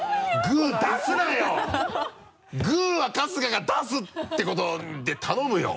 グーは春日が出すってことで頼むよ。